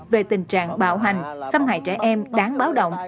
về tình trạng bạo hành xâm hại trẻ em đáng báo động